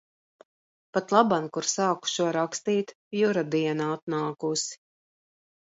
Patlaban, kur sāku šo rakstīt, Jura diena atnākusi.